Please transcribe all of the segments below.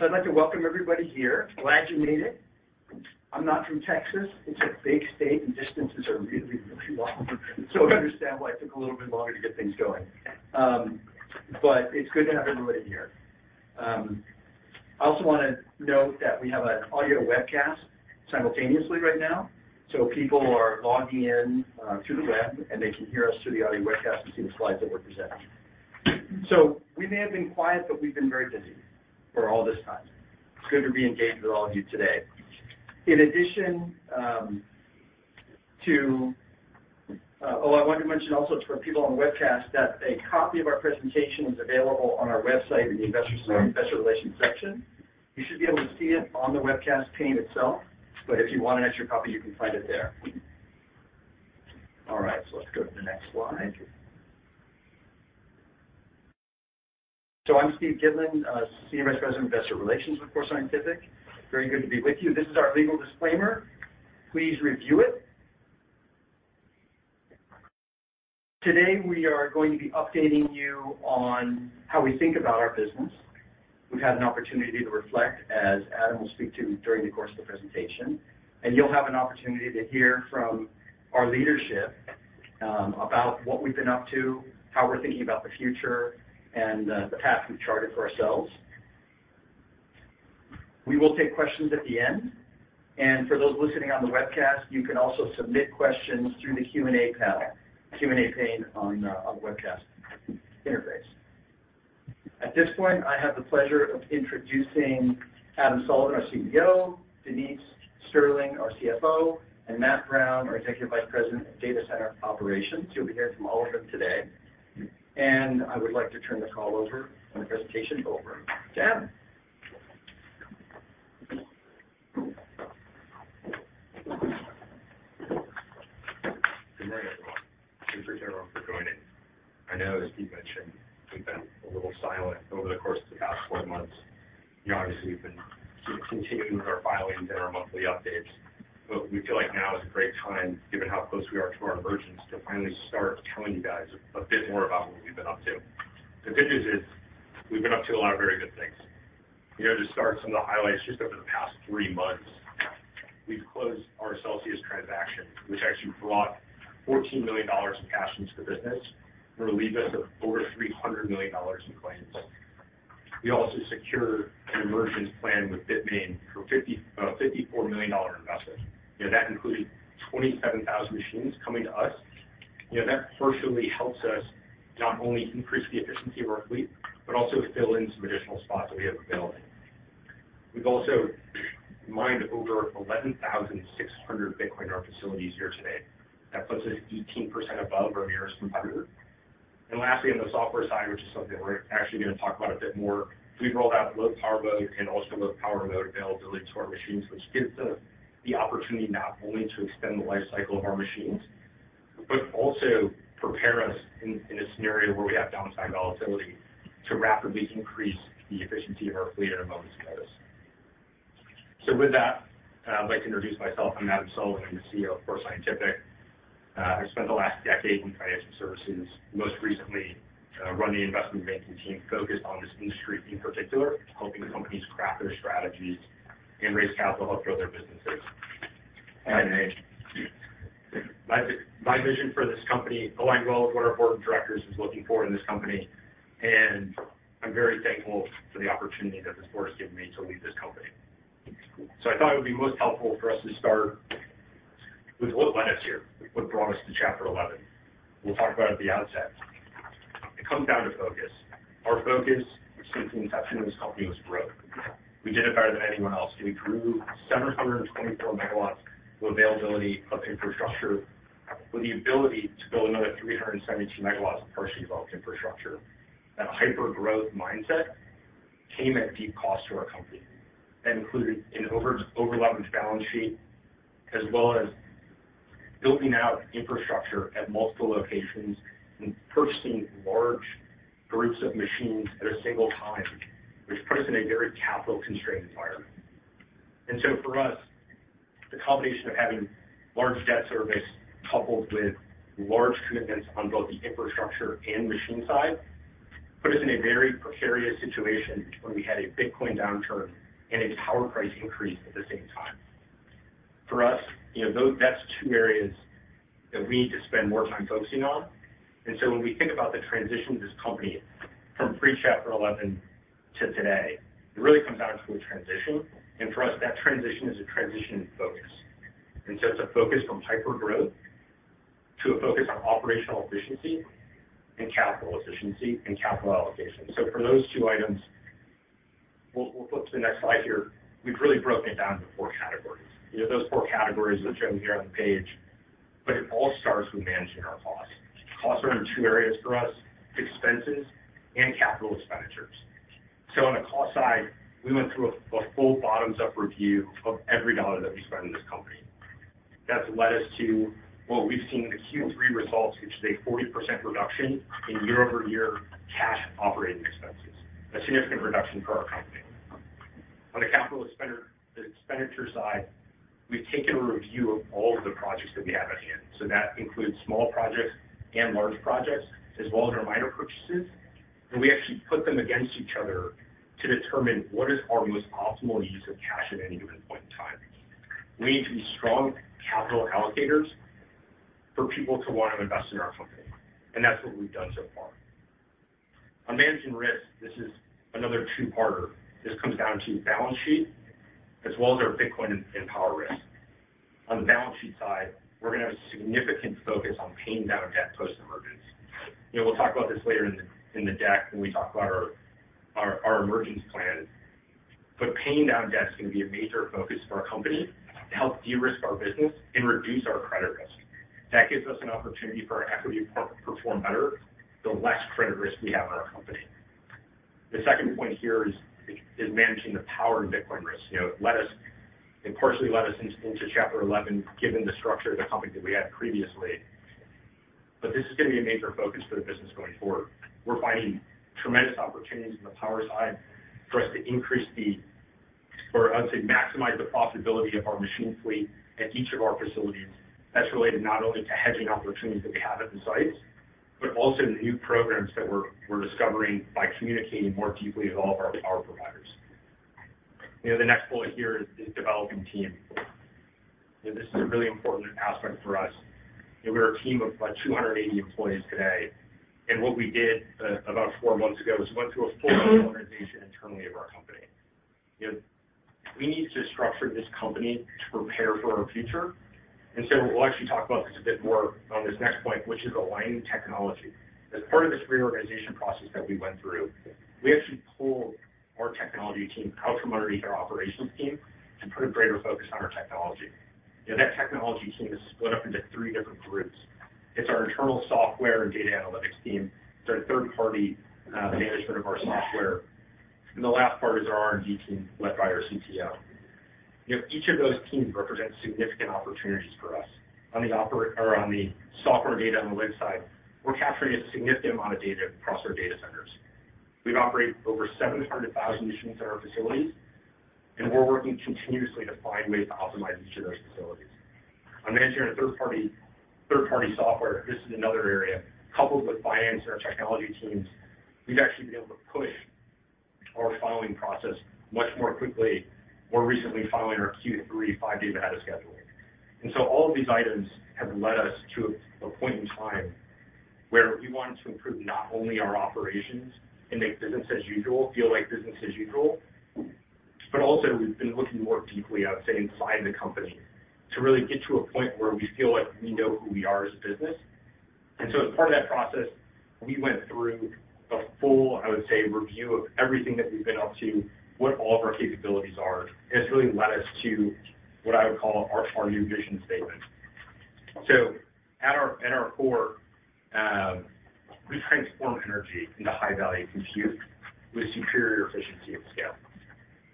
So I'd like to welcome everybody here. Glad you made it. I'm not from Texas. It's a big state, and distances are really, really long. So understand why it took a little bit longer to get things going. But it's good to have everybody here. I also want to note that we have an audio webcast simultaneously right now. So people are logging in through the web, and they can hear us through the audio webcast and see the slides that we're presenting. So we may have been quiet, but we've been very busy for all this time. It's good to be engaged with all of you today. In addition, Oh, I wanted to mention also, for people on the webcast, that a copy of our presentation is available on our website in the Investor, Investor Relations section. You should be able to see it on the webcast pane itself, but if you want an extra copy, you can find it there. All right, so let's go to the next slide. So I'm Steve Giblin, Senior Vice President, Investor Relations with Core Scientific. Very good to be with you. This is our legal disclaimer. Please review it. Today, we are going to be updating you on how we think about our business. We've had an opportunity to reflect, as Adam will speak to during the course of the presentation, and you'll have an opportunity to hear from our leadership, about what we've been up to, how we're thinking about the future, and the path we've charted for ourselves. We will take questions at the end, and for those listening on the webcast, you can also submit questions through the Q&A panel, Q&A pane on the webcast interface. At this point, I have the pleasure of introducing Adam Sullivan, our CEO, Denise Sterling, our CFO, and Matt Brown, our Executive Vice President of Data Center Operations. You'll be hearing from all of them today. I would like to turn the call over and the presentation over to Adam. Good morning, everyone. Thank you for everyone for joining. I know, as Steve mentioned, we've been a little silent over the course of the past 4 months. You know, obviously, we've been continuing with our filings and our monthly updates, but we feel like now is a great time, given how close we are to our emergence, to finally start telling you guys a bit more about what we've been up to. The good news is, we've been up to a lot of very good things. You know, to start, some of the highlights, just over the past 3 months, we've closed our Celsius transaction, which actually brought $14 million in cash into the business and relieved us of over $300 million in claims. We also secured an emergence plan with Bitmain for $54 million investment. You know, that included 27,000 machines coming to us. You know, that partially helps us not only increase the efficiency of our fleet, but also fill in some additional spots that we have available. We've also mined over 11,600 Bitcoin in our facilities here today. That puts us 18% above our nearest competitor. And lastly, on the software side, which is something we're actually going to talk about a bit more, we've rolled out low power mode and also low power mode availability to our machines, which gives us the opportunity not only to extend the life cycle of our machines, but also prepare us in a scenario where we have downside volatility to rapidly increase the efficiency of our fleet in a moment's notice. So with that, I'd like to introduce myself. I'm Adam Sullivan. I'm the CEO of Core Scientific. I spent the last decade in financial services, most recently, running the investment banking team focused on this industry in particular, helping companies craft their strategies and raise capital to help grow their businesses. My, my vision for this company aligns well with what our board of directors is looking for in this company, and I'm very thankful for the opportunity that this board has given me to lead this company. So I thought it would be most helpful for us to start with what led us here, what brought us to Chapter 11. We'll talk about it at the outset. It comes down to focus. Our focus since the inception of this company was growth. We did it better than anyone else, and we grew 724 MW of availability of infrastructure with the ability to build another 372 MW of partially developed infrastructure. That hyper-growth mindset came at deep cost to our company. That included an overleveraged balance sheet, as well as building out infrastructure at multiple locations and purchasing large groups of machines at a single time, which put us in a very capital-constrained environment. And so for us, the combination of having large debt service coupled with large commitments on both the infrastructure and machine side, put us in a very precarious situation when we had a Bitcoin downturn and a power price increase at the same time. For us, you know, those, that's two areas that we need to spend more time focusing on. When we think about the transition of this company from pre-Chapter 11 to today, it really comes down to a transition. For us, that transition is a transition in focus. It's a focus from hypergrowth to a focus on operational efficiency and capital efficiency and capital allocation. For those two items, we'll flip to the next slide here. We've really broken it down into four categories. You know, those four categories are shown here on the page, but it all starts with managing our costs. Costs are in two areas for us, expenses and capital expenditures. On the cost side, we went through a full bottoms-up review of every dollar that we spend in this company. That's led us to what we've seen in the Q3 results, which is a 40% reduction in year-over-year cash operating expenses, a significant reduction for our company. On the spending, the expenditure side, we've taken a review of all of the projects that we have at hand. So that includes small projects and large projects, as well as our minor purchases, and we actually put them against each other to determine what is our most optimal use of cash at any given point in time. We need to be strong capital allocators for people to want to invest in our company, and that's what we've done so far. On managing risk, this is another two-parter. This comes down to balance sheet as well as our Bitcoin and power risk. On the balance sheet side, we're going to have a significant focus on paying down debt post-emergence. You know, we'll talk about this later in the deck when we talk about our emergence plan. But paying down debt is going to be a major focus for our company to help de-risk our business and reduce our credit risk. That gives us an opportunity for our equity part to perform better, the less credit risk we have in our company. The second point here is managing the power and Bitcoin risk. You know, it led us—it partially led us into Chapter 11, given the structure of the company that we had previously. But this is going to be a major focus for the business going forward. We're finding tremendous opportunities on the power side for us to increase the... or I would say, maximize the profitability of our machine fleet at each of our facilities. That's related not only to hedging opportunities that we have at the sites, but also the new programs that we're discovering by communicating more deeply with all of our power providers. You know, the next bullet here is developing team. This is a really important aspect for us. You know, we're a team of about 280 employees today, and what we did about four months ago is went through a full reorganization internally of our company. You know, we need to structure this company to prepare for our future. And so we'll actually talk about this a bit more on this next point, which is aligning technology. As part of this reorganization process that we went through, we actually pulled our technology team out from underneath our operations team to put a greater focus on our technology. You know, that technology team is split up into three different groups. It's our internal software and data analytics team, it's our third-party management of our software, and the last part is our R&D team, led by our CTO. You know, each of those teams represents significant opportunities for us. On the software data and the web side, we're capturing a significant amount of data across our data centers. We operate over 700,000 machines at our facilities, and we're working continuously to find ways to optimize each of those facilities. On managing our third-party software, this is another area. Coupled with finance and our technology teams, we've actually been able to push our filing process much more quickly. More recently, filing our Q3 5 days ahead of schedule. All of these items have led us to a point in time where we wanted to improve not only our operations and make business as usual feel like business as usual, but also we've been looking more deeply, I would say, inside the company, to really get to a point where we feel like we know who we are as a business. As part of that process, we went through a full, I would say, review of everything that we've been up to, what all of our capabilities are, and it's really led us to what I would call our new vision statement. So at our core, we transform energy into high-value compute with superior efficiency and scale.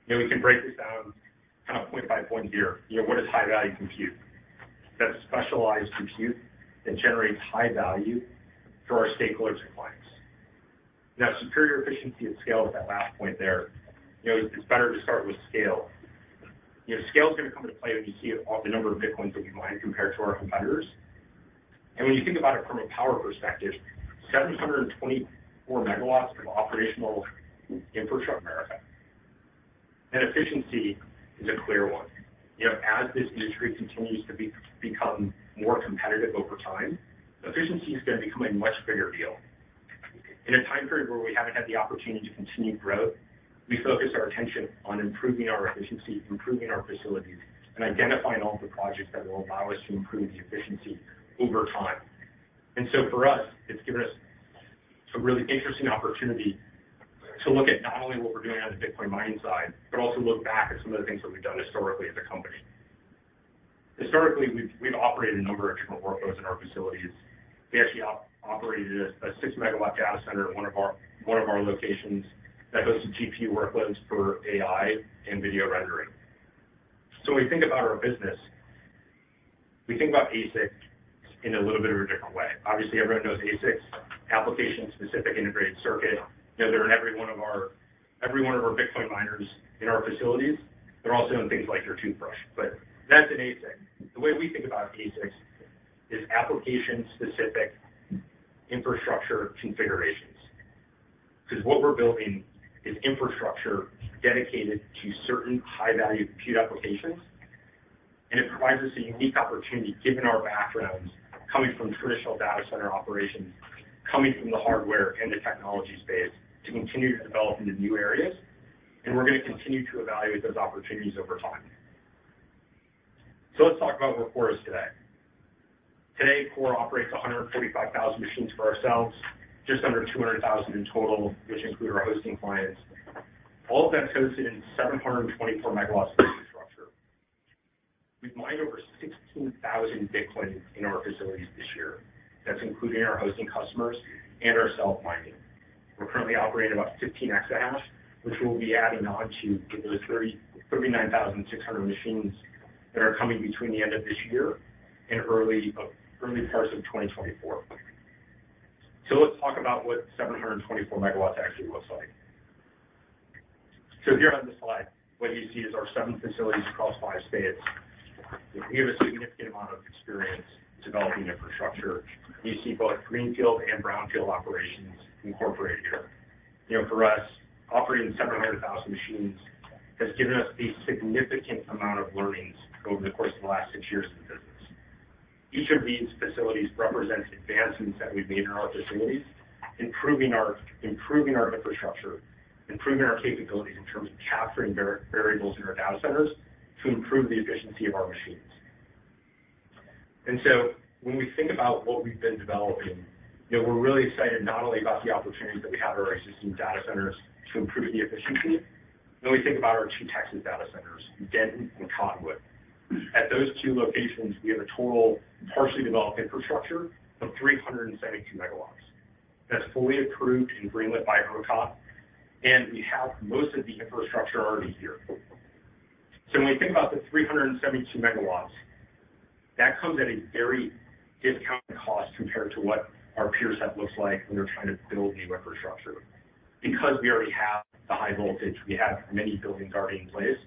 You know, we can break this down kind of point by point here. You know, what is high-value compute? That's specialized compute that generates high value for our stakeholders and clients. Now, superior efficiency and scale is that last point there. You know, it's better to start with scale. You know, scale is going to come into play when you see the number of Bitcoins that we mine compared to our competitors. And when you think about it from a power perspective, 724 MW of operational infrastructure in America. Efficiency is a clear one. You know, as this industry continues to become more competitive over time, efficiency is going to become a much bigger deal. In a time period where we haven't had the opportunity to continue growth, we focused our attention on improving our efficiency, improving our facilities, and identifying all the projects that will allow us to improve the efficiency over time. And so for us, it's given us a really interesting opportunity to look at not only what we're doing on the Bitcoin mining side, but also look back at some of the things that we've done historically as a company. Historically, we've operated a number of different workloads in our facilities. We actually operated a 6-MW data center at one of our locations that hosts GPU workloads for AI and video rendering. So when we think about our business, we think about ASICs in a little bit of a different way. Obviously, everyone knows ASICs, application-specific integrated circuit. You know, they're in every one of our Bitcoin miners in our facilities. They're also in things like your toothbrush, but that's an ASIC. The way we think about ASICs is application-specific infrastructure configurations. Because what we're building is infrastructure dedicated to certain high-value compute applications, and it provides us a unique opportunity, given our backgrounds, coming from traditional data center operations, coming from the hardware and the technology space, to continue to develop into new areas, and we're going to continue to evaluate those opportunities over time. So let's talk about where Core is today. Today, Core operates 145,000 machines for ourselves, just under 200,000 in total, which include our hosting clients. All of that's hosted in 724 MW of infrastructure. We've mined over 16,000 Bitcoin in our facilities this year. That's including our hosting customers and our self-mining. We're currently operating about 15 Exahash, which we'll be adding on to give us 30, 39,600 machines that are coming between the end of this year and early parts of 2024. So let's talk about what 724 MW actually looks like. So here on this slide, what you see is our 7 facilities across 5 states. We have a significant amount of experience developing infrastructure. You see both greenfield and brownfield operations incorporated here. You know, for us, operating 700,000 machines has given us a significant amount of learnings over the course of the last 6 years in the business. Each of these facilities represents advancements that we've made in our facilities, improving our infrastructure, improving our capabilities in terms of capturing variables in our data centers to improve the efficiency of our machines. And so when we think about what we've been developing, you know, we're really excited not only about the opportunities that we have our existing data centers to improve the efficiency, when we think about our two Texas data centers, Denton and Cottonwood. At those two locations, we have a total partially developed infrastructure of 372 MW. That's fully approved and greenlit by ERCOT, and we have most of the infrastructure already here. So when we think about the 372 MW, that comes at a very discounted cost compared to what our peer set looks like when they're trying to build new infrastructure. Because we already have the high voltage, we have many buildings already in place,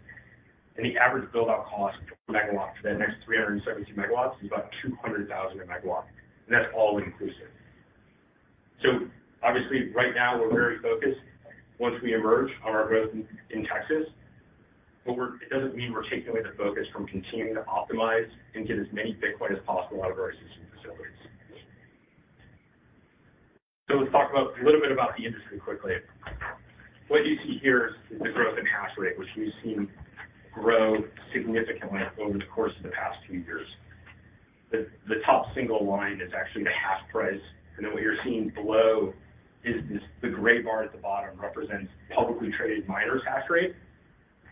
and the average build-out cost per megawatt for the next 372 MW is about $200,000 a megawatt, and that's all inclusive. So obviously, right now, we're very focused, once we emerge, on our growth in Texas, but we're, it doesn't mean we're taking away the focus from continuing to optimize and get as many Bitcoin as possible out of our existing facilities. So let's talk about a little bit about the industry quickly. What you see here is the growth in hash rate, which we've seen grow significantly over the course of the past two years. The top single line is actually the hash price, and then what you're seeing below is this, the gray bar at the bottom represents publicly traded miners' hash rate.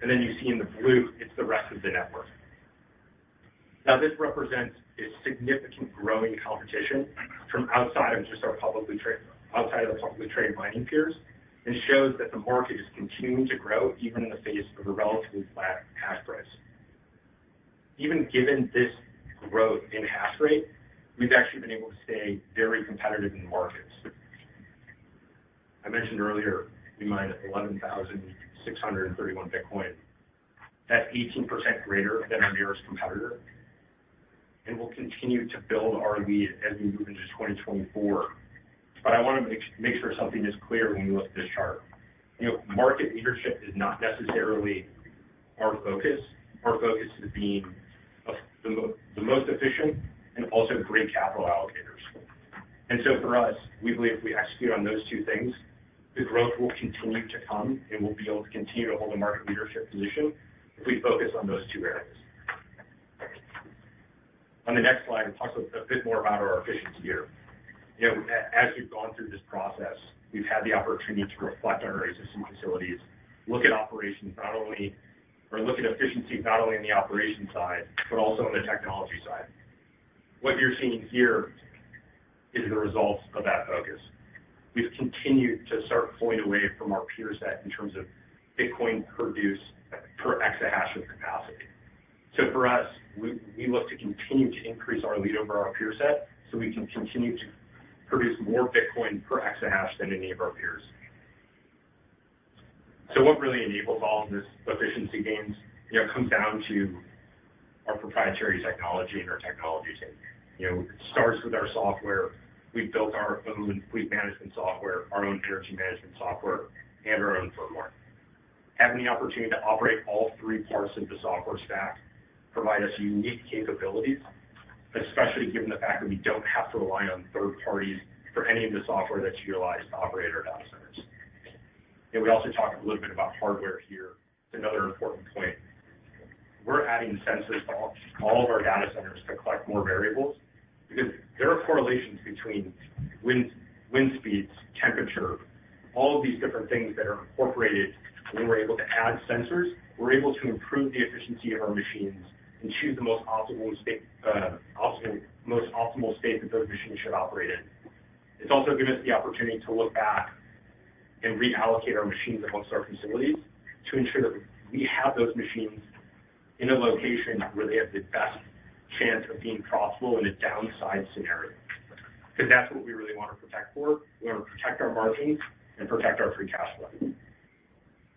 And then you see in the blue, it's the rest of the network. Now, this represents a significant growing competition from outside of just our publicly traded mining peers, and shows that the market is continuing to grow, even in the face of a relatively flat hash price. Even given this growth in hash rate, we've actually been able to stay very competitive in the markets. I mentioned earlier, we mine 11,631 Bitcoin. That's 18% greater than our nearest competitor, and we'll continue to build our lead as we move into 2024. But I want to make sure something is clear when you look at this chart. You know, market leadership is not necessarily our focus. Our focus is being the most efficient and also great capital allocators. And so for us, we believe if we execute on those two things, the growth will continue to come, and we'll be able to continue to hold a market leadership position if we focus on those two areas. On the next slide, it talks a bit more about our efficiency here. You know, as we've gone through this process, we've had the opportunity to reflect on our existing facilities, look at efficiency not only on the operation side, but also on the technology side. What you're seeing here is the results of that focus. We've continued to start pulling away from our peer set in terms of Bitcoin produced per Exahash of capacity. So for us, we look to continue to increase our lead over our peer set, so we can continue to produce more Bitcoin per Exahash than any of our peers. So what really enables all of this efficiency gains, you know, comes down to our proprietary technology and our technology team. You know, it starts with our software. We've built our own fleet management software, our own energy management software, and our own firmware. Having the opportunity to operate all three parts of the software stack provide us unique capabilities, especially given the fact that we don't have to rely on third parties for any of the software that's utilized to operate our data centers. And we also talk a little bit about hardware here. It's another important point. We're adding sensors to all of our data centers to collect more variables because there are correlations between wind speeds, temperature, all of these different things that are incorporated. When we're able to add sensors, we're able to improve the efficiency of our machines and choose the most optimal state that those machines should operate in. It's also given us the opportunity to look back and reallocate our machines among our facilities to ensure that we have those machines in a location where they have the best chance of being profitable in a downside scenario. Because that's what we really want to protect for. We want to protect our margins and protect our free cash flow.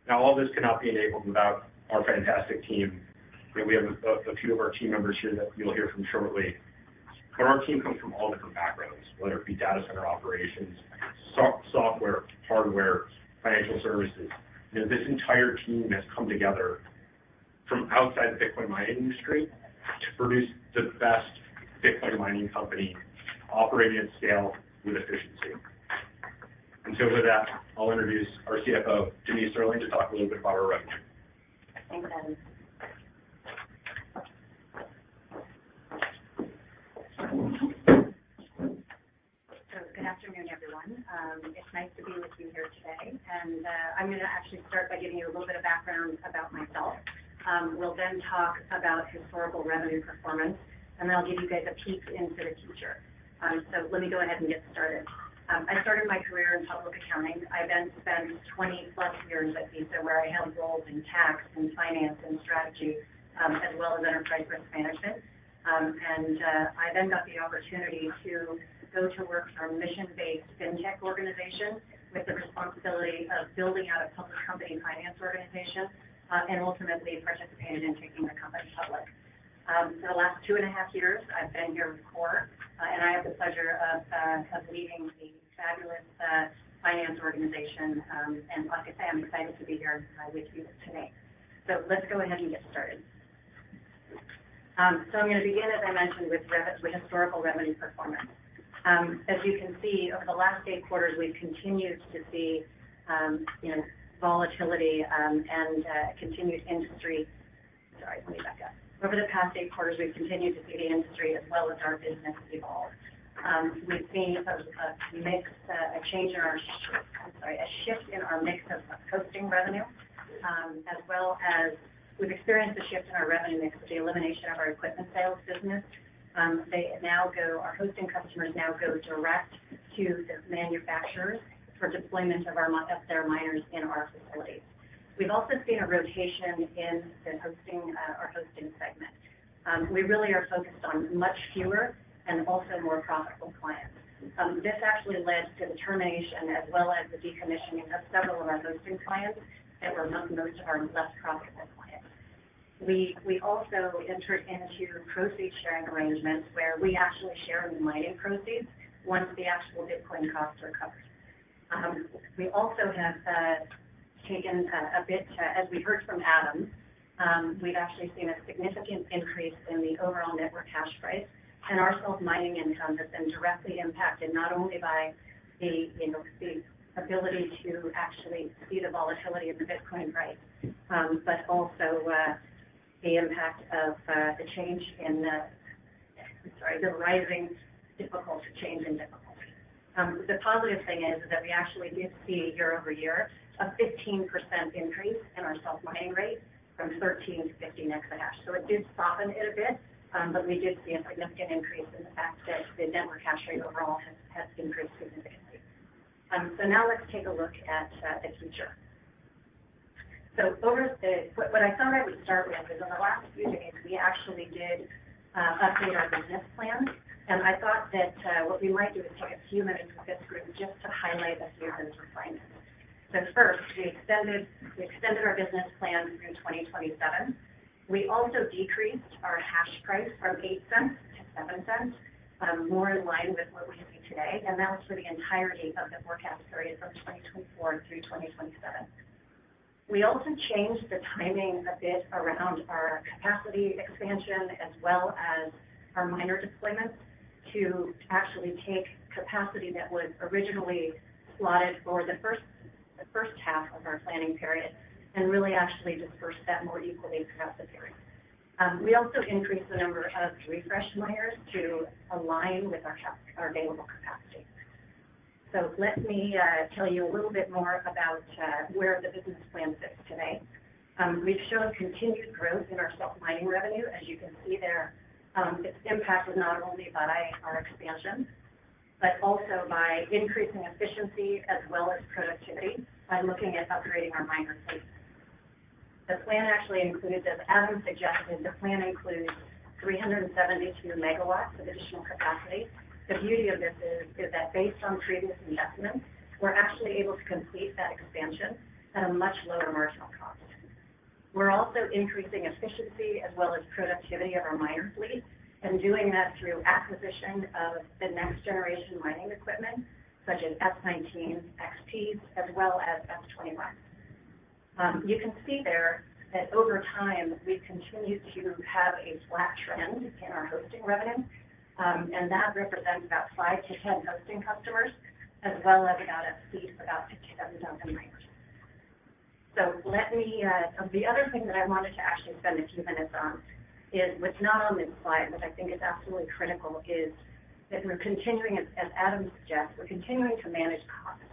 Now, all this cannot be enabled without our fantastic team. We have a few of our team members here that you'll hear from shortly. Our team comes from all different backgrounds, whether it be data center operations, software, hardware, financial services. You know, this entire team has come together from outside the Bitcoin mining industry to produce the best Bitcoin mining company operating at scale with efficiency. With that, I'll introduce our CFO, Denise Sterling, to talk a little bit about our revenue. Thanks, Adam. So good afternoon, everyone. It's nice to be with you here today, and I'm going to actually start by giving you a little bit of background about myself. We'll then talk about historical revenue performance, and then I'll give you guys a peek into the future. So let me go ahead and get started. I started my career in finance. I then spent 20+ years at Visa, where I had roles in tax and finance and strategy, as well as enterprise risk management. And I then got the opportunity to go to work for a mission-based fintech organization with the responsibility of building out a public company finance organization, and ultimately participated in taking the company public. For the last two and a half years, I've been here with Core, and I have the pleasure of leading the fabulous finance organization. And like I say, I'm excited to be here with you today. So let's go ahead and get started. So I'm going to begin, as I mentioned, with historical revenue performance. As you can see, over the last eight quarters, we've continued to see, you know, volatility, and continued industry... Sorry, let me back up. Over the past eight quarters, we've continued to see the industry as well as our business evolve. We've seen a mix, a change in our, I'm sorry, a shift in our mix of hosting revenue, as well as we've experienced a shift in our revenue mix with the elimination of our equipment sales business. They now go direct to the manufacturers for deployment of our, of their miners in our facilities. We've also seen a rotation in the hosting, our hosting segment. We really are focused on much fewer and also more profitable clients. This actually led to the termination as well as the decommissioning of several of our hosting clients that were most of our less profitable clients. We also entered into proceeds sharing arrangements where we actually share in the mining proceeds once the actual Bitcoin costs are covered. We also have taken a bit, as we heard from Adam, we've actually seen a significant increase in the overall network hash price, and our self-mining income has been directly impacted, not only by the, you know, the ability to actually see the volatility of the Bitcoin price, but also, the impact of, the change in the—I'm sorry, the rising difficulty, change in difficulty. The positive thing is that we actually did see year-over-year, a 15% increase in our self-mining rate from 13 to 15 exahash. So it did soften it a bit, but we did see a significant increase in the fact that the network hash rate overall has increased significantly. So now let's take a look at, the future. So over the... What I thought I would start with is in the last few meetings, we actually did update our business plan, and I thought that what we might do is take a few minutes with this group just to highlight a few of those refinements. So first, we extended our business plan through 2027. We also decreased our hash price from $0.08 to $0.07, more in line with what we see today, and that was for the entirety of the forecast period from 2024 through 2027. We also changed the timing a bit around our capacity expansion, as well as our miner deployments, to actually take capacity that was originally slotted for the first half of our planning period, and really actually disperse that more equally throughout the period. We also increased the number of refresh miners to align with our available capacity. So let me tell you a little bit more about where the business plan sits today. We've shown continued growth in our self-mining revenue. As you can see there, it's impacted not only by our expansion, but also by increasing efficiency as well as productivity by looking at upgrading our miner fleet. The plan actually includes, as Adam suggested, the plan includes 372 MW of additional capacity. The beauty of this is that based on previous investments, we're actually able to complete that expansion at a much lower marginal cost. We're also increasing efficiency as well as productivity of our miner fleet, and doing that through acquisition of the next generation mining equipment, such as S19 XPs as well as S21. You can see there that over time, we've continued to have a flat trend in our hosting revenue, and that represents about 5-10 hosting customers, as well as about a fleet of about 67,000 miners. So let me. The other thing that I wanted to actually spend a few minutes on is what's not on this slide, which I think is absolutely critical, is that we're continuing, as Adam suggests, we're continuing to manage costs.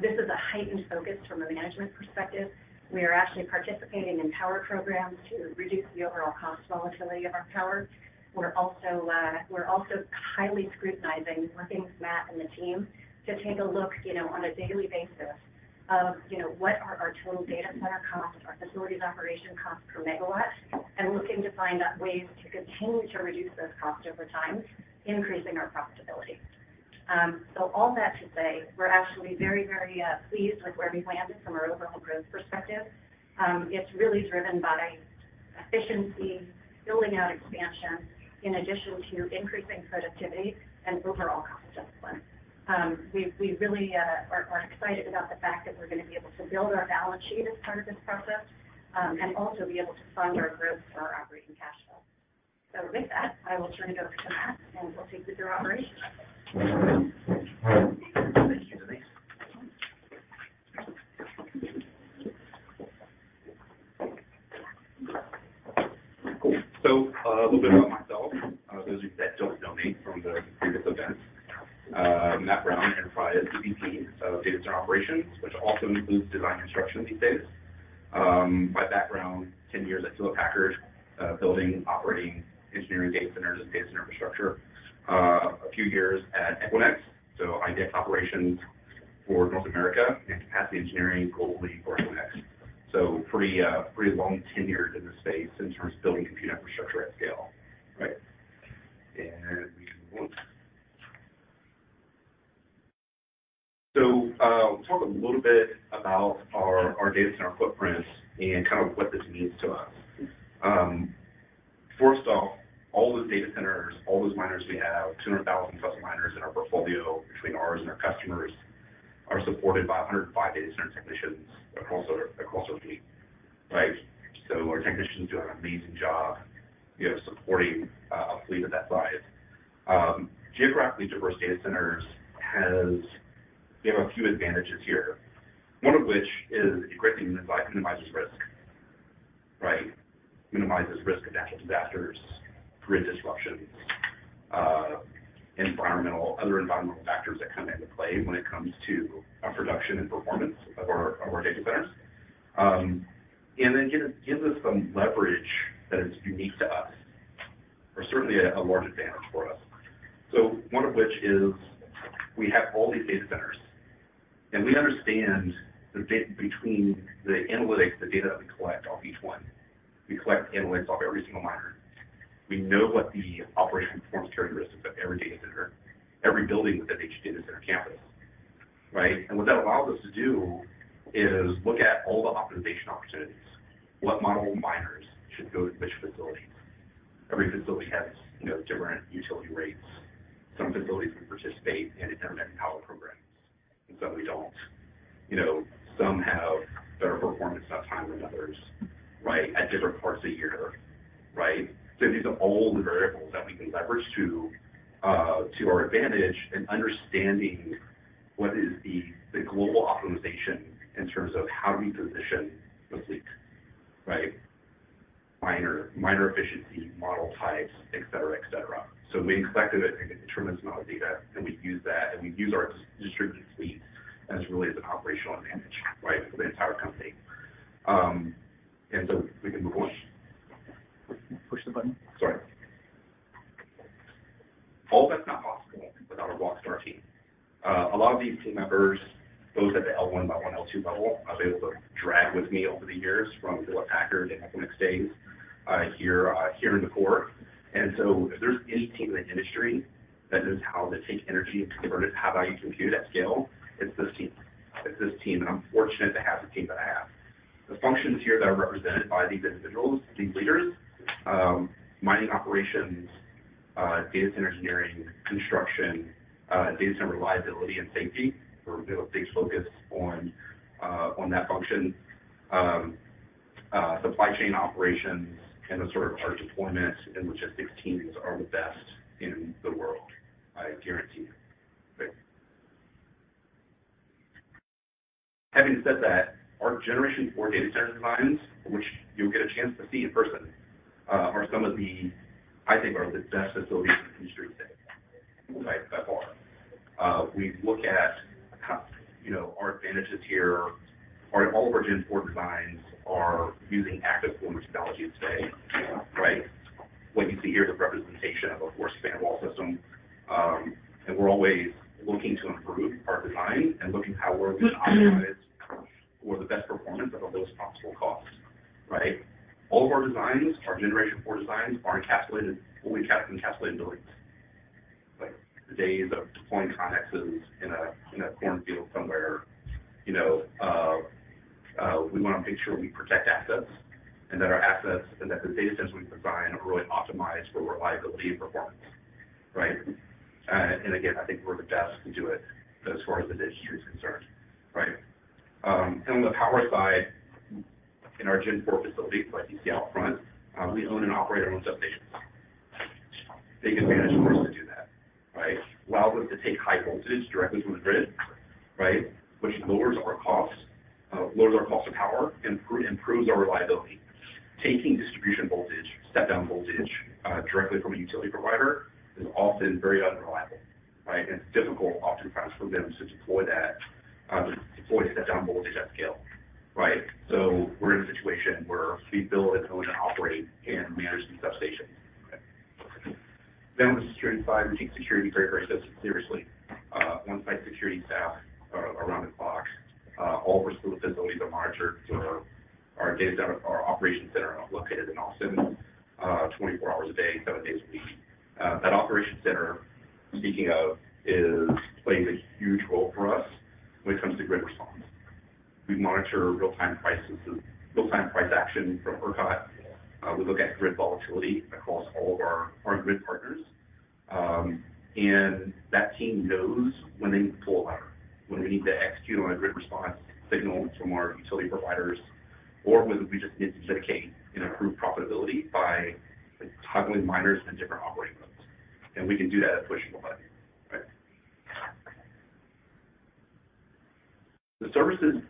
This is a heightened focus from a management perspective. We are actually participating in power programs to reduce the overall cost volatility of our power. We're also, we're also highly scrutinizing, working with Matt and the team to take a look, you know, on a daily basis of, you know, what are our total data center costs, our facilities operation costs per megawatt, and looking to find out ways to continue to reduce those costs over time, increasing our profitability. So all that to say, we're actually very, very pleased with where we've landed from our overall growth perspective. It's really driven by efficiency, building out expansion, in addition to increasing productivity and overall cost discipline. We, we really, are, are excited about the fact that we're going to be able to build our balance sheet as part of this process, and also be able to fund our growth for our operating cash flow. With that, I will turn it over to Matt, and we'll take you through operations. Thank you, Julie. A little bit about myself, for those that don't know me from the previous events. I'm Matt Brown, Executive VP of Data Center Operations, which also includes design construction these days.... My background, 10 years at Hewlett Packard, building, operating engineering data centers and data center infrastructure. A few years at Equinix, so I did operations for North America and capacity engineering globally for Equinix. So pretty, pretty long tenured in the space in terms of building compute infrastructure at scale. Right. And we can move. So, we'll talk a little bit about our, our data center footprint and kind of what this means to us. First off, all those data centers, all those miners we have, 200,000+ miners in our portfolio, between ours and our customers, are supported by 105 data center technicians across our, across our team, right? So our technicians do an amazing job, you know, supporting, a fleet of that size. Geographically diverse data centers has, you know, a few advantages here, one of which is a great thing, it minimizes risk, right? Minimizes risk of natural disasters, grid disruptions, environmental, other environmental factors that come into play when it comes to our production and performance of our, our data centers. And then gives, gives us some leverage that is unique to us, or certainly a, a large advantage for us. So one of which is we have all these data centers, and we understand the data between the analytics, the data that we collect off each one. We collect analytics off every single miner. We know what the operation performance characteristics of every data center, every building within each data center campus. Right? And what that allows us to do is look at all the optimization opportunities. What model miners should go to which facilities. Every facility has, you know, different utility rates. Some facilities can participate in intermittent power programs, and some we don't. You know, some have better performance at times than others, right, at different parts of the year. Right? So these are all the variables that we can leverage to our advantage in understanding what is the global optimization in terms of how do we position the fleet, right? Miner efficiency, model types, et cetera, et cetera. So we've collected a tremendous amount of data, and we use that, and we use our distributed fleet as really as an operational advantage, right, for the entire company. So we can move on. Push the button. Sorry. All that's not possible without our rockstar team. A lot of these team members, those at the L1, L2 level, I've been able to drag with me over the years from Hewlett Packard and Equinix days, here in the Core. So if there's any team in the industry that knows how to take energy and convert it to high-value compute at scale, it's this team. It's this team, and I'm fortunate to have the team that I have. The functions here that are represented by these individuals, these leaders, mining operations, data center engineering, construction, data center reliability and safety. We have a big focus on that function. Supply chain operations and sort of our deployments and logistics teams are the best in the world, I guarantee you. Okay. Having said that, our generation four data center designs, which you'll get a chance to see in person, are some of the... I think, are the best facilities in the industry today, by far. We look at, you know, our advantages here. All of our Gen four designs are using active cooling technology today, right? What you see here is a representation of a four span wall system, and we're always looking to improve our design and looking how we're going to optimize for the best performance at the lowest possible cost, right? All of our designs, our generation four designs, are encapsulated, fully encapsulated buildings. Like the days of deploying Connexes in a cornfield somewhere, you know, we want to make sure we protect assets and that our assets, and that the data centers we design are really optimized for reliability and performance, right? And again, I think we're the best to do it as far as the industry is concerned, right? On the power side, in our Gen four facilities, like you see out front, we own and operate our own substations. Take advantage for us to do that, right? Allows us to take high voltage directly from the grid, right, which lowers our costs, lowers our cost of power, improves our reliability. Taking distribution voltage, step-down voltage directly from a utility provider is often very unreliable, right? And it's difficult oftentimes for them to deploy that, deploy step-down voltage at scale. Right? We're in a situation where we build and own and operate and manage these substations. On the security side, we take security very, very seriously. On-site security staff are around the clock. All of our facility are monitored through our data center, our operations center located in Austin, 24 hours a day, 7 days a week. That operations center, speaking of, plays a huge role for us when it comes to grid response. We monitor real-time prices, real-time price action from ERCOT. We look at grid volatility across all of our grid partners. That team knows when they need to pull a lever, when we need to execute on a grid response signal from our utility providers, or whether we just need to mitigate and improve profitability by toggling miners in different operating modes. And we can do that at the push of a button, right? The services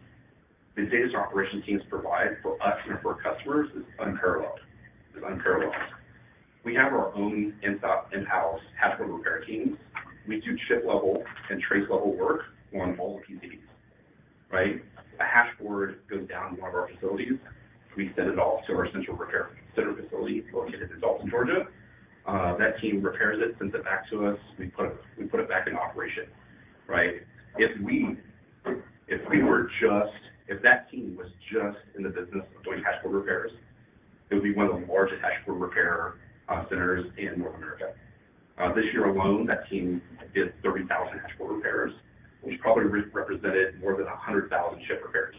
the data center operations teams provide for us and for our customers is unparalleled. It's unparalleled... We have our own in-house hash board repair teams. We do chip-level and trace-level work on all the PCs, right? A hash board goes down in one of our facilities, we send it off to our central repair center facility located in Dalton, Georgia. That team repairs it, sends it back to us. We put, we put it back in operation, right? If that team was just in the business of doing hash board repairs, it would be one of the largest hash board repair centers in North America. This year alone, that team did 30,000 hash board repairs, which probably represented more than 100,000 chip repairs,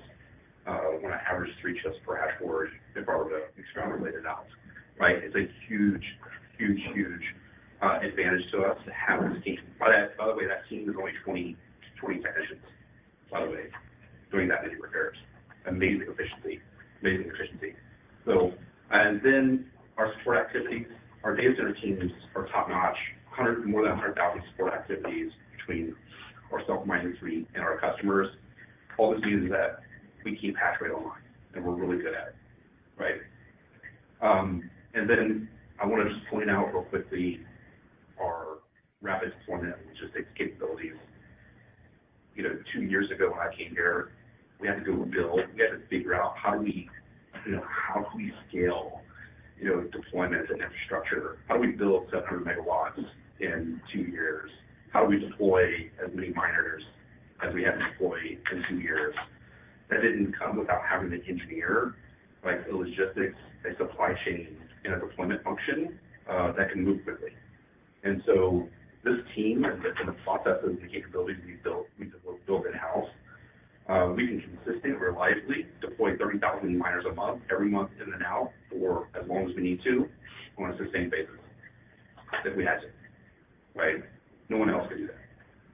when I average three chips per hash board and probably extrapolated out, right? It's a huge, huge, huge advantage to us to have this team. By the way, that team is only 20, 20 technicians, by the way, doing that many repairs. Amazing efficiency. Amazing efficiency. So, and then our support activities. Our data center teams are top-notch. 100, more than 100,000 support activities between our self-mining fleet and our customers. All this means is that we keep hash rate online, and we're really good at it, right? And then I want to just point out real quickly our rapid deployment, which is the capabilities. You know, 2 years ago, when I came here, we had to go build. We had to figure out how do we, you know, how do we scale, you know, deployment and infrastructure? How do we build 700 MW in two years? How do we deploy as many miners as we have deployed in two years? That didn't come without having to engineer, like, a logistics and supply chain and a deployment function that can move quickly. And so this team and the processes and the capabilities we built, we built in-house, we can consistently and reliably deploy 30,000 miners a month, every month in and out, for as long as we need to, on a sustained basis, if we had to. Right? No one else can do that,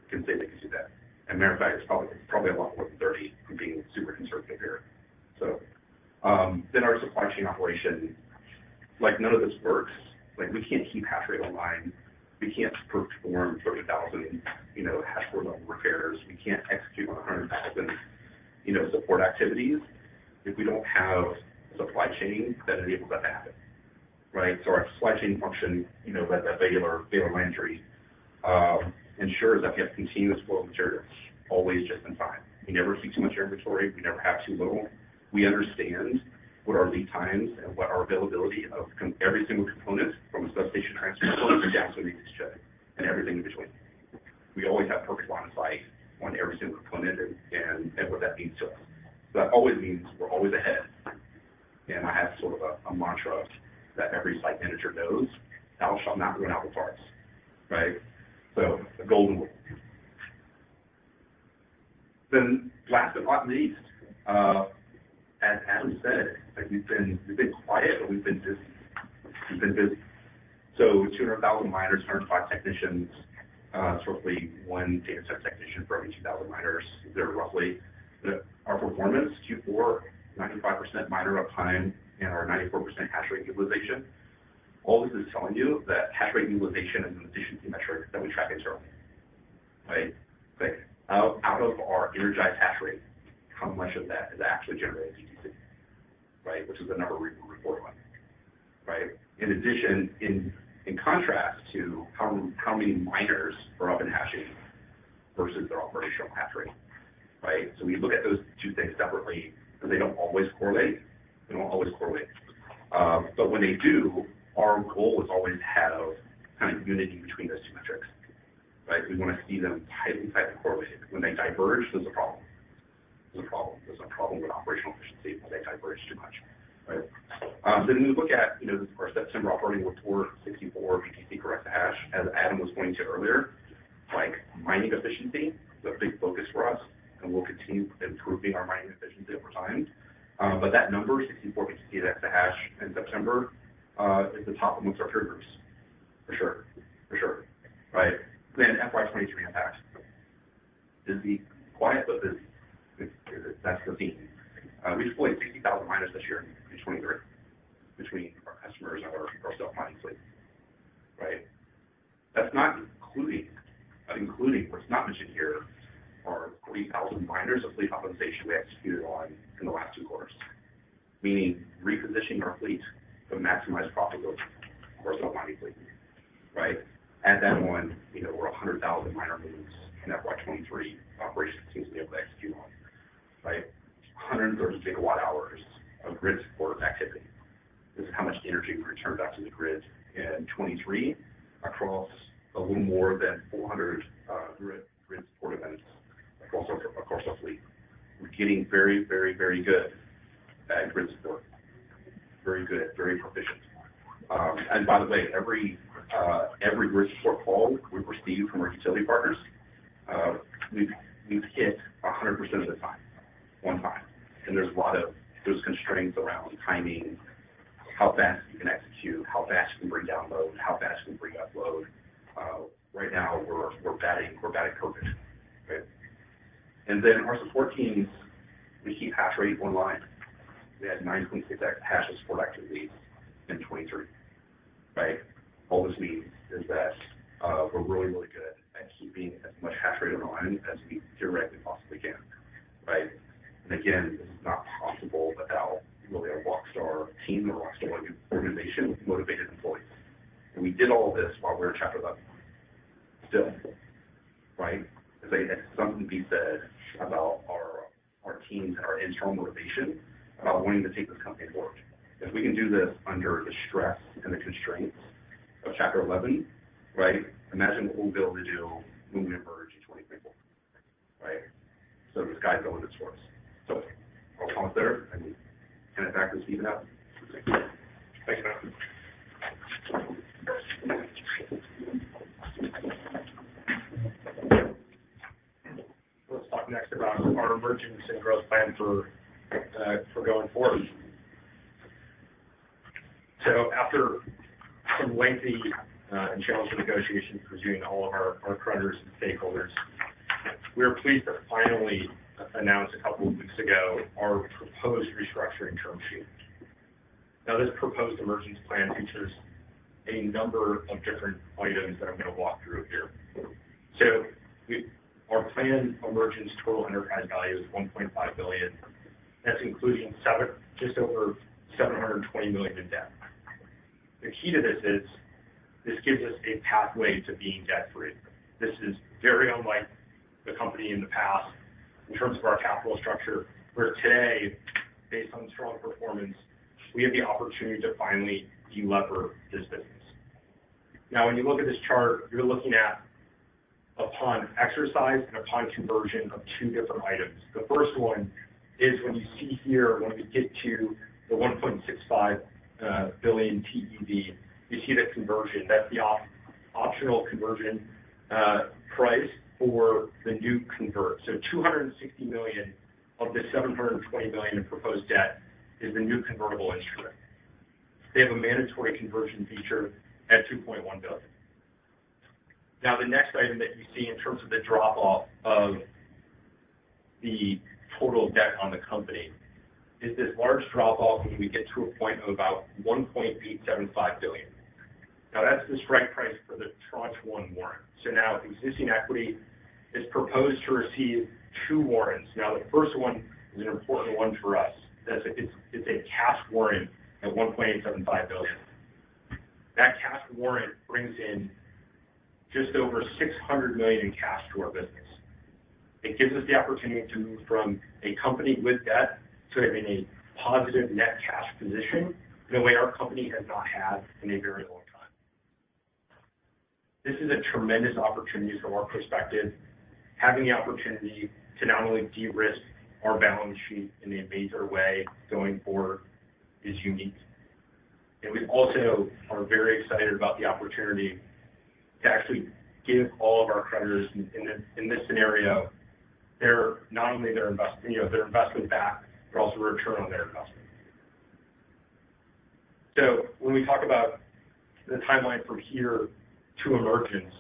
can say they can do that. And matter of fact, it's probably, probably a lot more than 30. I'm being super conservative here. So, then our supply chain operation. Like, none of this works. Like, we can't keep hash rate online, we can't perform 30,000, you know, hash board-level repairs. We can't execute on a 100,000, you know, support activities if we don't have a supply chain that enables that to happen, right? So our supply chain function, you know, that Baylor Landry ensures that we have continuous flow of materials, always just in time. We never see too much inventory. We never have too little. We understand what our lead times and what our availability of components, every single component, from a substation transfer component down to the chip and everything in between. We always have focus on insight on every single component and what that means to us. That always means we're always ahead. I have sort of a mantra that every site manager knows, "Thou shalt not run out of parts." Right? So the golden rule. Then last but not least, as Adam said, like, we've been quiet, but we've been busy. We've been busy. So 200,000 miners, 205 technicians, shortly one data center technician for every 2,000 miners, there roughly. Our performance, Q4, 95% miner uptime and our 94% hash rate utilization. All this is telling you that hash rate utilization is an efficiency metric that we track internally. Right? Like, out of our energized hash rate, how much of that is actually generating BTC, right? Which is the number we report on, right? In addition, in contrast to how many miners are up and hashing versus their operational hash rate, right? So we look at those two things separately, because they don't always correlate. They don't always correlate. But when they do, our goal is to always have kind of unity between those two metrics, right? We want to see them tightly, tightly correlated. When they diverge, there's a problem. There's a problem. There's a problem with operational efficiency when they diverge too much, right? So when you look at, you know, our September operating report, 64 BTC correct to hash, as Adam was pointing to earlier, like, mining efficiency is a big focus for us, and we'll continue improving our mining efficiency over time. But that number, 64 BTC, that's the hash in September, is the top amongst our peer groups. For sure. For sure, right? Then FY 2023 impact. Busy, quiet, but busy. That's the theme. We deployed 60,000 miners this year in 2023 between our customers and our self-mining fleet, right? That's not including, that including what's not mentioned here are 30,000 miners of fleet optimization we executed on in the last two quarters, meaning repositioning our fleet to maximize profitability for our self-mining fleet, right? Add that one, you know, we're 100,000 miner moves in FY 2023. Operation seems to be able to execute on, right? 130 gigawatt hours of grid support activity. This is how much energy we returned back to the grid in 2023 across a little more than 400 grid support events across our fleet. We're getting very, very, very good at grid support. Very good, very proficient. By the way, every grid support call we receive from our utility partners, we've hit 100% of the time, on time. And there's a lot of those constraints around timing, how fast you can execute, how fast you can bring down load, how fast you can bring up load. Right now, we're batting perfect. Right? And then our support teams, we keep hash rate online. We had 9.6 hash of support activities in 2023, right? All this means is that, we're really, really good at keeping as much hash rate online as we directly possibly can, right? And again, this is not possible without really our rockstar team or rockstar organization with motivated employees. And we did all of this while we were in Chapter 11. Still, right? There's something to be said about our, our teams and our internal motivation about wanting to take this company forward. If we can do this under the stress and the constraints of Chapter 11, right, imagine what we'll be able to do when we emerge in 2024, right? So the sky's the limit for us. So I'll pause there and hand it back to Steve now. Thank you. Let's talk next about our emergence and growth plan for going forward. So after some lengthy and challenging negotiations between all of our creditors and stakeholders, we are pleased to finally announce a couple of weeks ago our proposed restructuring term sheet. Now, this proposed emergence plan features a number of different items that I'm going to walk through here. So our planned emergence total enterprise value is $1.5 billion. That's including just over $720 million in debt. The key to this is, this gives us a pathway to being debt free. This is very unlike the company in the past in terms of our capital structure, where today, based on strong performance, we have the opportunity to finally delever this business. Now, when you look at this chart, you're looking at upon exercise and upon conversion of two different items. The first one is when you see here, when we get to the $1.65 billion TEV, you see the conversion. That's the optional conversion price for the new convertible. So $260 million of the $720 million in proposed debt is the new convertible instrument. They have a mandatory conversion feature at $2.1 billion. Now, the next item that you see in terms of the drop-off of the total debt on the company is this large drop-off when we get to a point of about $1.875 billion. Now, that's the strike price for the tranche one warrant. So now existing equity is proposed to receive two warrants. Now, the first one is an important one for us. That's a cash warrant at $1.875 billion. That cash warrant brings in just over $600 million in cash to our business. It gives us the opportunity to move from a company with debt to being in a positive net cash position in a way our company has not had in a very long time. This is a tremendous opportunity from our perspective. Having the opportunity to not only de-risk our balance sheet in a major way going forward is unique. And we also are very excited about the opportunity to actually give all of our creditors in this scenario, not only their investment back, you know, but also a return on their investment. So when we talk about the timeline from here to emergence,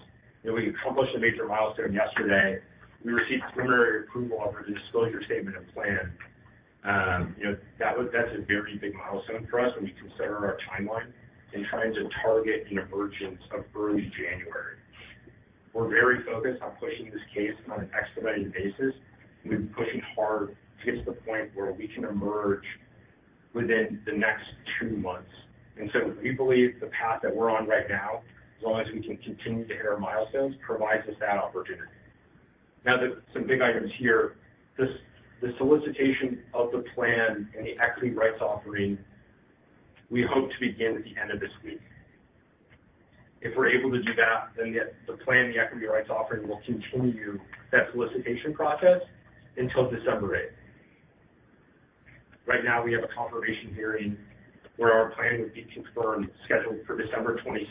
and we accomplished a major milestone yesterday, we received preliminary approval on our disclosure statement and plan. You know, that was, that's a very big milestone for us when we consider our timeline in trying to target an emergence of early January. We're very focused on pushing this case on an expedited basis. We've been pushing hard to get to the point where we can emerge within the next two months. And so we believe the path that we're on right now, as long as we can continue to hit our milestones, provides us that opportunity. Now, some big items here. This, the solicitation of the plan and the equity rights offering, we hope to begin at the end of this week. If we're able to do that, then the plan, the equity rights offering, will continue that solicitation process until December 8. Right now, we have a confirmation hearing where our plan would be confirmed, scheduled for December 22,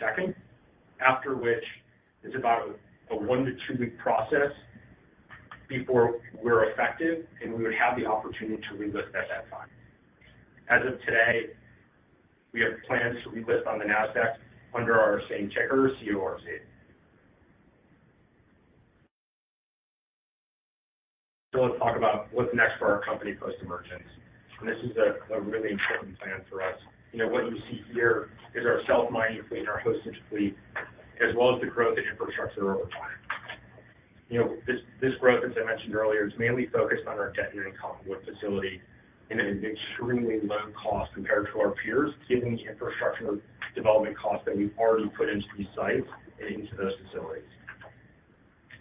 after which is about a 1-2-week process before we're effective, and we would have the opportunity to relist at that time. As of today, we have plans to relist on the Nasdaq under our same ticker, CORZ. So let's talk about what's next for our company post-emergence. And this is a really important plan for us. You know, what you see here is our self-mining fleet and our hosting fleet, as well as the growth in infrastructure over time. You know, this, this growth, as I mentioned earlier, is mainly focused on our Denton and Cottonwood facility, and it is extremely low cost compared to our peers, given the infrastructure development cost that we've already put into these sites and into those facilities.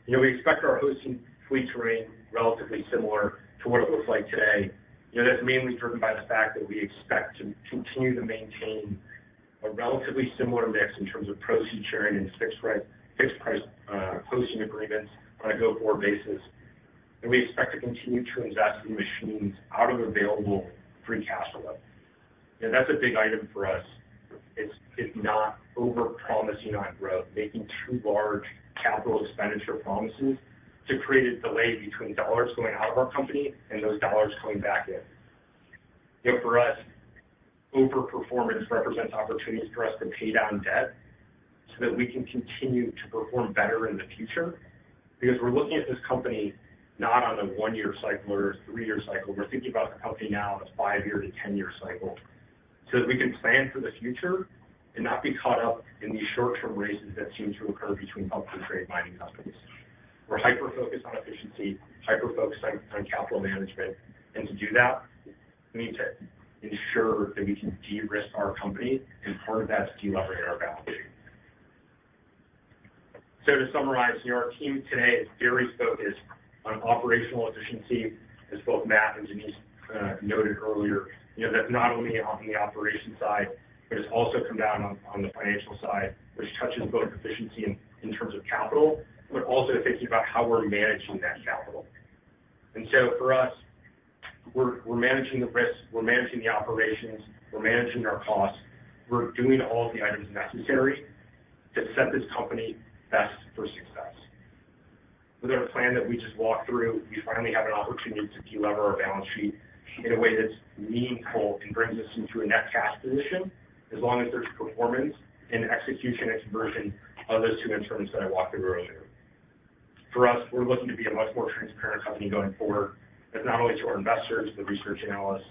You know, we expect our hosting fleet to remain relatively similar to what it looks like today. You know, that's mainly driven by the fact that we expect to continue to maintain a relatively similar mix in terms of proceeds sharing and fixed price, fixed price, hosting agreements on a go-forward basis. And we expect to continue to invest in machines out of available free cash flow. And that's a big item for us. It's, it's not over-promising on growth, making too large capital expenditure promises to create a delay between dollars going out of our company and those dollars coming back in. You know, for us, overperformance represents opportunities for us to pay down debt so that we can continue to perform better in the future. Because we're looking at this company not on a 1-year cycle or a 3-year cycle. We're thinking about the company now as a 5-year to 10-year cycle... so that we can plan for the future and not be caught up in these short-term races that seem to occur between public and trade mining companies. We're hyper-focused on efficiency, hyper-focused on, on capital management, and to do that, we need to ensure that we can de-risk our company, and part of that is delevering our balance sheet. So to summarize, our team today is very focused on operational efficiency, as both Matt and Denise noted earlier. You know, that's not only on the operation side, but it's also come down on the financial side, which touches both efficiency in terms of capital, but also thinking about how we're managing that capital. So for us, we're managing the risks, we're managing the operations, we're managing our costs. We're doing all of the items necessary to set this company best for success. With our plan that we just walked through, we finally have an opportunity to delever our balance sheet in a way that's meaningful and brings us into a net cash position, as long as there's performance and execution and conversion of those two issuances that I walked through earlier. For us, we're looking to be a much more transparent company going forward, but not only to our investors, the research analysts,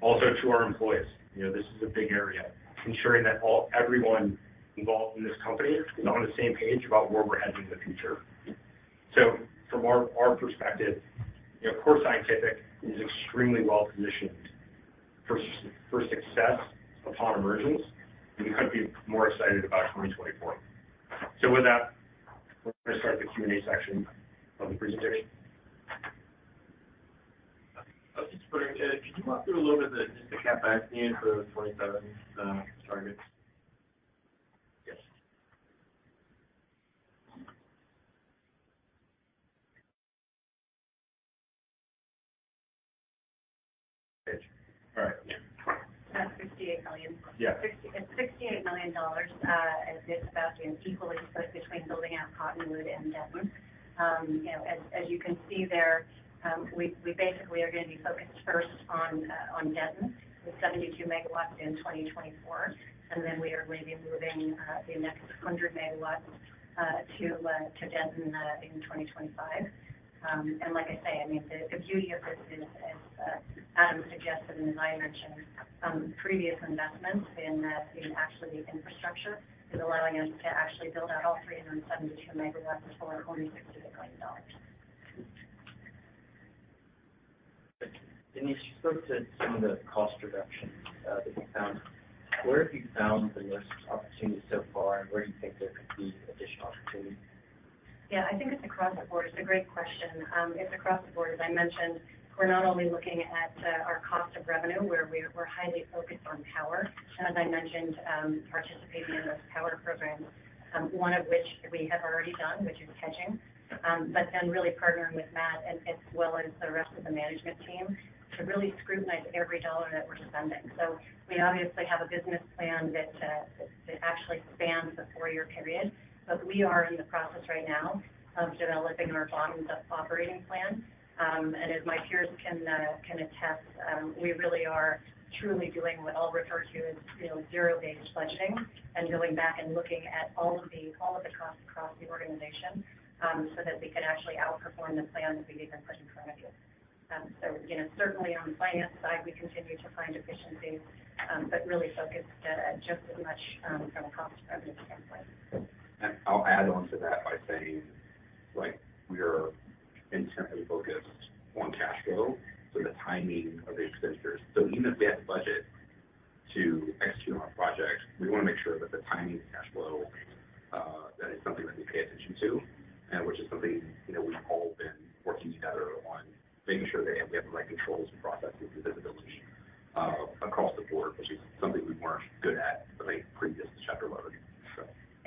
also to our employees. You know, this is a big area, ensuring that everyone involved in this company is on the same page about where we're heading in the future. So from our perspective, you know, Core Scientific is extremely well positioned for success upon emergence, and we couldn't be more excited about 2024. So with that, we're going to start the Q&A section of the presentation. I was just wondering, could you walk through a little bit the, just the CapEx need for the 27 targets? Yes. All right. That's $68 million. Yeah. It's $68 million, as Sebastian, equally split between building out Cottonwood and Denton. You know, as you can see there, we basically are going to be focused first on Denton, with 72 MW in 2024, and then we are maybe moving the next 100 MW to Denton in 2025. And like I say, I mean, the beauty of this is, as Adam suggested, and as I mentioned, previous investments in actually the infrastructure is allowing us to actually build out all 372 MW for only $68 million. Denise, you spoke to some of the cost reductions that you found. Where have you found the most opportunities so far, and where do you think there could be additional opportunity? Yeah, I think it's across the board. It's a great question. It's across the board. As I mentioned, we're not only looking at our cost of revenue, where we're highly focused on power, and as I mentioned, participating in those power programs, one of which we have already done, which is hedging. But then really partnering with Matt as well as the rest of the management team, to really scrutinize every dollar that we're spending. So we obviously have a business plan that that actually spans a four-year period, but we are in the process right now of developing our bottom-up operating plan. And as my peers can attest, we really are truly doing what I'll refer to as, you know, zero-based budgeting and going back and looking at all of the costs across the organization, so that we can actually outperform the plan that we even put in front of you. So, you know, certainly on the finance side, we continue to find efficiencies, but really focused, just as much, from a cost of revenue standpoint. I'll add on to that by saying, like, we are intensely focused on cash flow, so the timing of the expenditures. Even if we have the budget to execute on our projects, we want to make sure that the timing of cash flow, that is something that we pay attention to, which is something, you know, we've all been working together on making sure that we have the right controls and processes and visibility across the board, which is something we weren't good at in the previous chapter of our journey, so.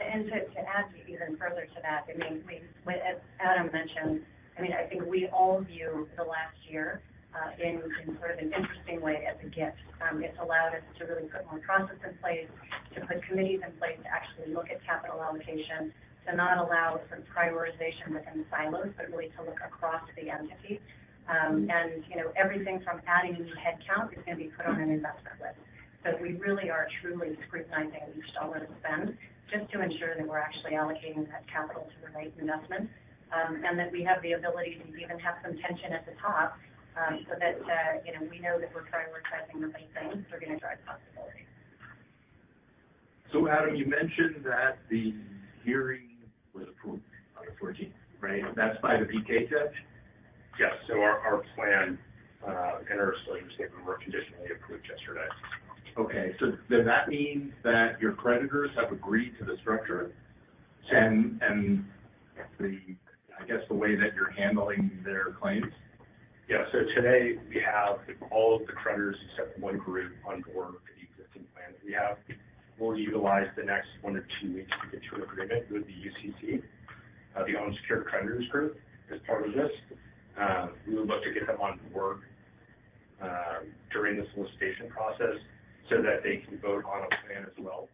And to add even further to that, I mean, As Adam mentioned, I mean, I think we all view the last year in sort of an interesting way as a gift. It's allowed us to really put more processes in place, to put committees in place to actually look at capital allocation, to not allow for prioritization within silos, but really to look across the entity. And, you know, everything from adding new headcount is going to be put on an investment list. So we really are truly scrutinizing each dollar to spend, just to ensure that we're actually allocating that capital to the right investments, and that we have the ability to even have some tension at the top, so that, you know, we know that we're prioritizing the right things that are going to drive profitability. Adam, you mentioned that the hearing was approved on the fourteenth, right? That's by the BK judge? Yes. So our plan and our statement were conditionally approved yesterday. Okay. So does that mean that your creditors have agreed to the structure and the, I guess, the way that you're handling their claims? Yeah. So today, we have all of the creditors, except one group, on board with the existing plan that we have. We'll utilize the next 1-2 weeks to get to agreement with the UCC, the unsecured creditors group, as part of this. We would love to get them on board during the solicitation process so that they can vote on a plan as well.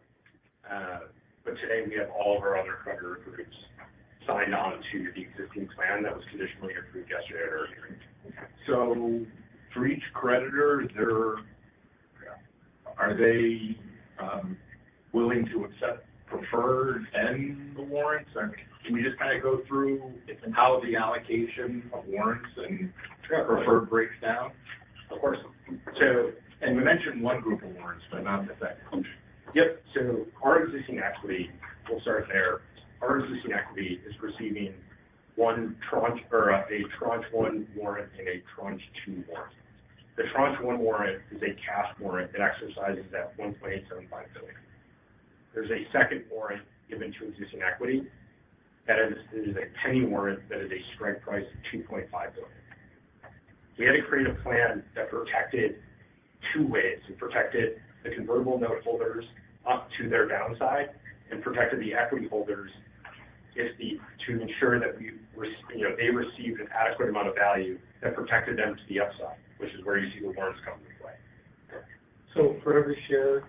But today, we have all of our other creditor groups signed on to the existing plan that was conditionally approved yesterday at our hearing. For each creditor, they're- Yeah. Are they? ...willing to accept preferred and the warrants? I mean, can we just kind of go through how the allocation of warrants and preferred breaks down? Of course. So, and you mentioned one group of warrants, but not just that. Yep. So our existing equity, we'll start there. Our existing equity is receiving one tranche or a tranche one warrant and a tranche two warrant. The tranche one warrant is a cash warrant that exercises that $1.875 billion. There's a second warrant given to existing equity. That is, it is a penny warrant that is a strike price of $2.5 billion. We had to create a plan that protected two ways. It protected the convertible note holders up to their downside and protected the equity holders if the... To ensure that we, you know, they received an adequate amount of value that protected them to the upside, which is where you see the warrants coming into play. For every share,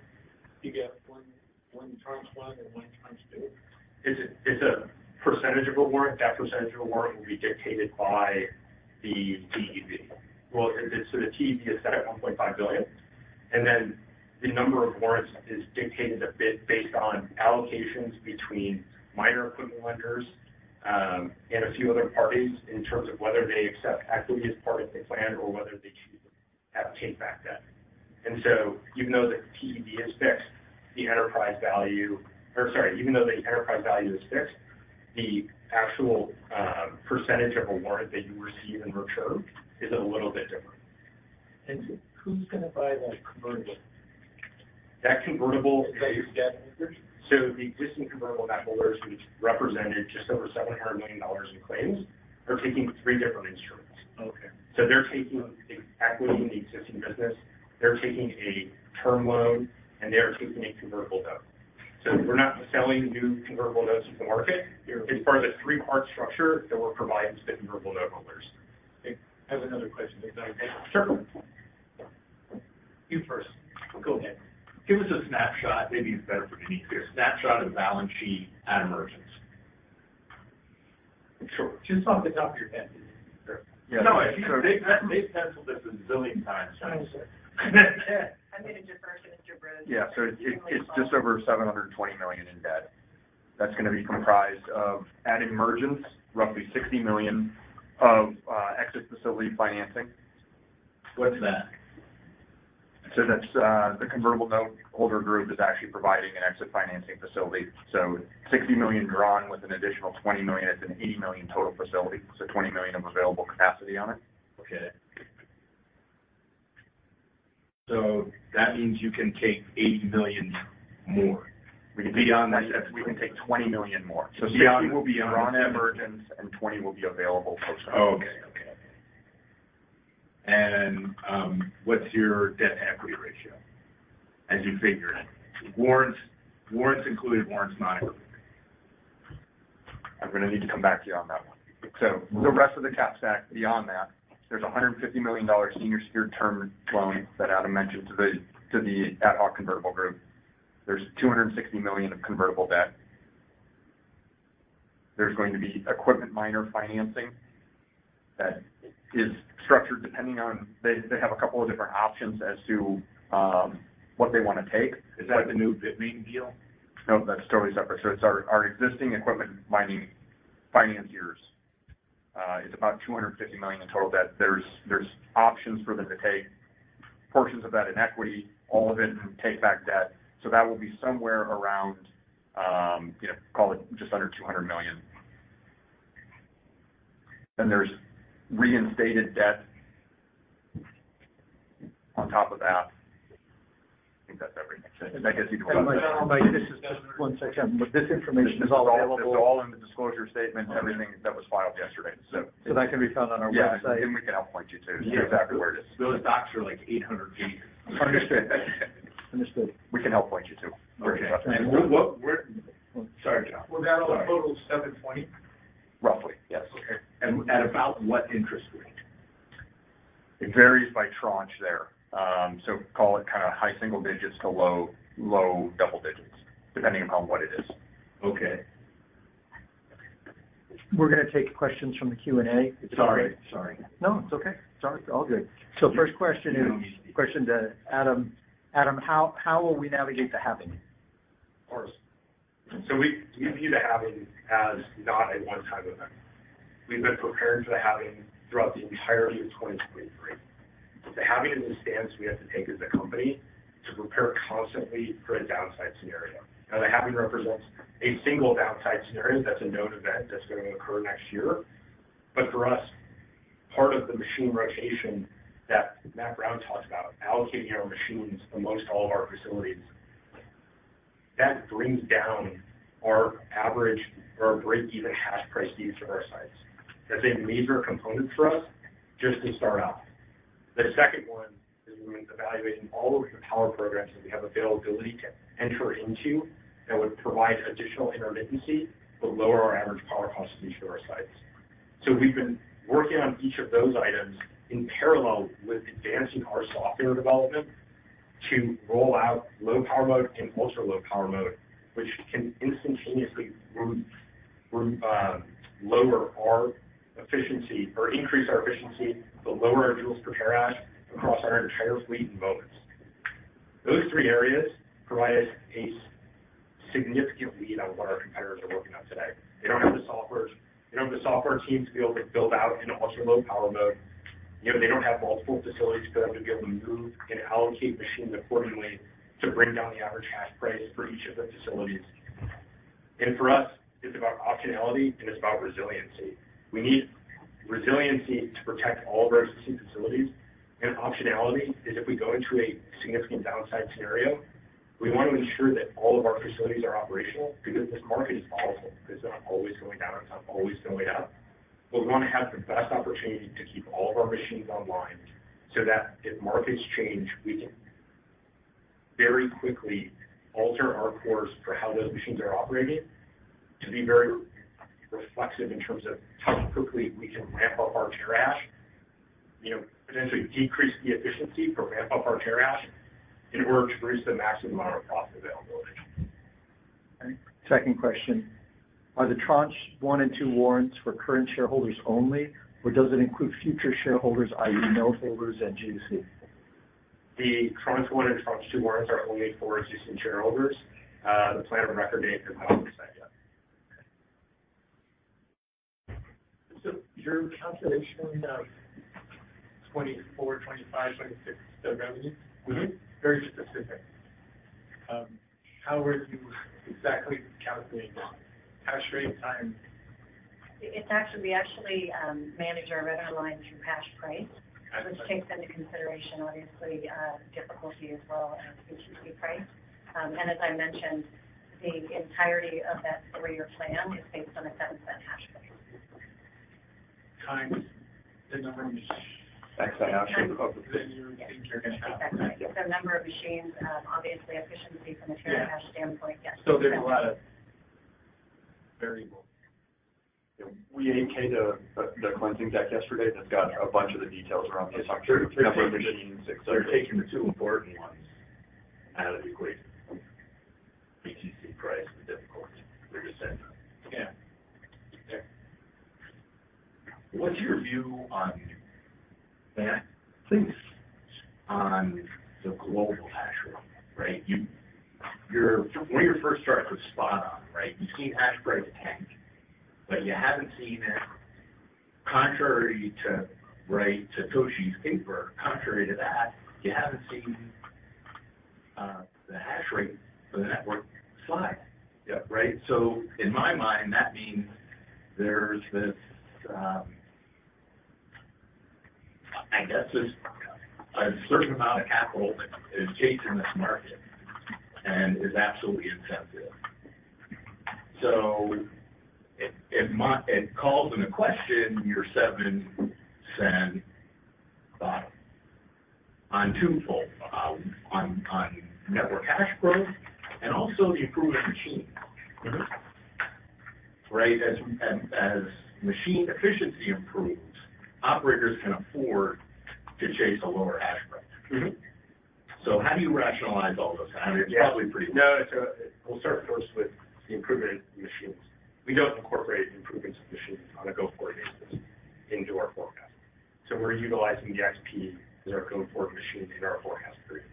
you get one, one tranche one and one tranche two? It's a percentage of a warrant. That percentage of a warrant will be dictated by the TEV. Well, so the TEV is set at $1.5 billion, and then the number of warrants is dictated a bit based on allocations between miner equipment lenders, and a few other parties in terms of whether they accept equity as part of the plan or whether they choose to have takeback debt. And so even though the TEV is fixed, the enterprise value. Or sorry, even though the enterprise value is fixed, the actual percentage of a warrant that you receive in return is a little bit different. Who's going to buy that convertible? That convertible- Is that your debt holders? The existing convertible debt holders, which represented just over $700 million in claims, they're taking three different instruments. Okay. They're taking equity in the existing business, they're taking a term loan, and they are taking a convertible debt. We're not selling new convertible notes to the market. You're- It's part of the three-part structure that we're providing to the convertible note holders. I have another question. Is that okay? Sure. You first. Go ahead. Give us a snapshot, maybe it's better for Denise here, a snapshot of the balance sheet at emergence. Sure. Just off the top of your head. Sure. No, they've penciled this a zillion times. I understand. I made a diversion in your bread. Yeah. So it, it's just over $720 million in debt. That's going to be comprised of, at emergence, roughly $60 million of exit facility financing. What's that? So that's the convertible note holder group is actually providing an exit financing facility. So $60 million drawn with an additional $20 million. It's an $80 million total facility, so $20 million of available capacity on it. Okay. That means you can take $80 million more beyond that. We can take $20 million more. So 60 will be on emergence- 20 will be available for... Okay. Okay. And, what's your debt-to-equity ratio as you figure it? Warrants, warrants included, warrants not included. I'm going to need to come back to you on that one. So the rest of the cap stack, beyond that, there's $150 million senior secured term loan that Adam mentioned to the ad hoc convertible group. There's $260 million of convertible debt. There's going to be equipment miner financing that is structured depending on... They have a couple of different options as to what they want to take. Is that the new Bitmain deal? No, that's totally separate. So it's our, our existing equipment mining financiers. It's about $250 million in total debt. There's options for them to take portions of that in equity, all of it, and take back debt. So that will be somewhere around, you know, call it just under $200 million. Then there's reinstated debt on top of that. I think that's everything. I guess you can- One second. But this information is all available? It's all in the disclosure statement, everything that was filed yesterday, so. So that can be found on our website? Yeah. And we can help point you to exactly where it is. Those docs are, like, 800 pages. Understood. Understood. We can help point you to where it is. Sorry, John. We're down a total of $720? Roughly, yes. Okay. At about what interest rate? It varies by tranche there. So call it kind of high single digits to low, low double digits, depending on what it is. Okay. We're going to take questions from the Q&A. Sorry. Sorry. No, it's okay. Sorry. All good. So first question is a question to Adam. Adam, how will we navigate the halving? Of course. So we view the halving as not a one-time event. We've been preparing for the halving throughout the entirety of 2023. The halving is the stance we have to take as a company to prepare constantly for a downside scenario. Now, the halving represents a single downside scenario. That's a known event that's going to occur next year. But for us, part of the machine rotation that Matt Brown talked about, allocating our machines amongst all of our facilities, that brings down our average or our break-even hash price to each of our sites. That's a major component for us just to start out. The second one is we've been evaluating all of the power programs that we have availability to enter into that would provide additional intermittency to lower our average power cost of each of our sites. So we've been working on each of those items in parallel with advancing our software development to roll out low power mode and ultra-low power mode, which can instantaneously lower our efficiency or increase our efficiency, but lower our joules per terahash across our entire fleet in both. Those three areas provide us a significant lead on what our competitors are working on today. They don't have the softwares. They don't have the software teams to be able to build out an ultra-low power mode. You know, they don't have multiple facilities for them to be able to move and allocate machines accordingly to bring down the average hash price for each of their facilities. And for us, it's about optionality and it's about resiliency. We need resiliency to protect all of our existing facilities, and optionality is if we go into a significant downside scenario, we want to ensure that all of our facilities are operational because this market is volatile. It's not always going down, it's not always going up. But we want to have the best opportunity to keep all of our machines online, so that if markets change, we can very quickly alter our course for how those machines are operating to be very reflexive in terms of how quickly we can ramp up our terahash. You know, potentially decrease the efficiency or ramp up our terahash in order to produce the maximum amount of profit availability. Okay. Second question: Are the tranche 1 and 2 warrants for current shareholders only, or does it include future shareholders, i.e., noteholders and GUC? The tranche one and tranche two warrants are only for existing shareholders. The plan of record date has not been set yet. Your calculation of 24, 25, 26 revenue- Mm-hmm. -very specific. How were you exactly calculating that? Hash rate times... It's actually, we actually, manage our revenue line through hash price, which takes into consideration, obviously, difficulty as well as BTC price. And as I mentioned, the entirety of that 3-year plan is based on a $0.07 hash price. Times the number of machines. Times the Hash Rate. Then you think you're gonna have. That's right. It's the number of machines, obviously, efficiency from a terahash standpoint, yes. There's a lot of variables. We 8-K'd the cleansing deck yesterday. That's got a bunch of the details around the structure. You're taking the two important ones out of the equation. BTC price is difficult. We're just saying. Yeah. Okay. What's your view on... May I? Please. On the global hash rate, right? You, your... When you first started, it was spot on, right? You've seen hash price tank, but you haven't seen it contrary to, right, Satoshi's paper, contrary to that, you haven't seen the hash rate for the network slide. Yeah. Right? So in my mind, that means there's this, I guess, a certain amount of capital that is chasing this market and is absolutely incentive. So it calls into question your $0.07 on twofold, on network hash growth and also the improvement of machines. Mm-hmm. Right? As machine efficiency improves, operators can afford to chase a lower hash price. Mm-hmm. So how do you rationalize all those? I mean, it's probably pretty- No, so we'll start first with the improvement in machines. We don't incorporate improvements in machines on a go-forward basis into our forecast. So we're utilizing the XP as our go-forward machine in our forecast period.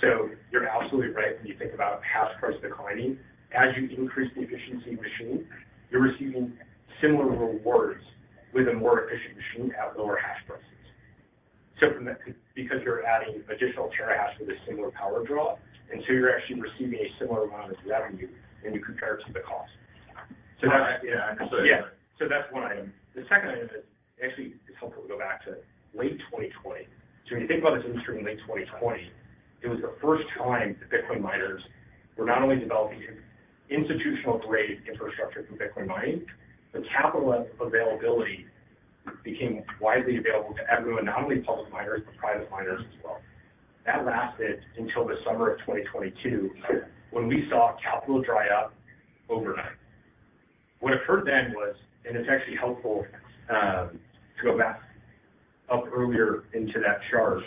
So you're absolutely right when you think about hash price declining. As you increase the efficiency of the machine, you're receiving similar rewards with a more efficient machine at lower hash prices. So from that, because you're adding additional terahash with a similar power draw, and so you're actually receiving a similar amount of revenue when you compare it to the cost. Yeah. Yeah, absolutely. Yeah. So that's one item. The second item is, actually, it's helpful to go back to late 2020. So when you think about this industry in late 2020, it was the first time that Bitcoin miners were not only developing institutional-grade infrastructure for Bitcoin mining, but capital availability became widely available to everyone, not only public miners, but private miners as well. That lasted until the summer of 2022, when we saw capital dry up overnight. What occurred then was, and it's actually helpful to go back up earlier into that chart,